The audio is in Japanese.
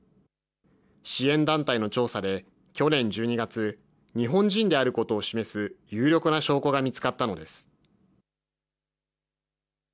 支援団体の調査で、去年１２月、日本人であることを示す有力な証拠が見つかったのです。